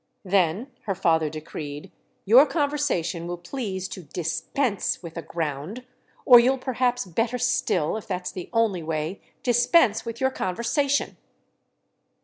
"Then," her father decreed, "your conversation will please to dispense with a ground; or you'll perhaps, better still—if that's the only way!—dispense with your conversation."